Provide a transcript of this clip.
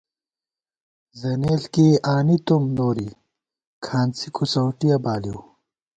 زنېݪ کېئی آنِی تُوم نوری ، کھانڅی کُوسَؤٹِیَہ بالِؤ